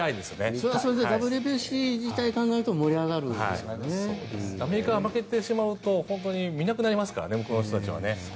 それはＷＢＣ自体を考えるとアメリカが負けてしまうと本当に見なくなりますから向こうの人は。